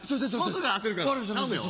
すぐ焦るから頼むよ。